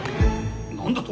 ・何だと！